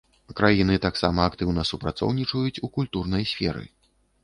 Краіны таксама актыўна супрацоўнічаюць у культурнай сферы.